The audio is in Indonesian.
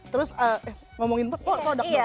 terus ngomongin produk produk apa ya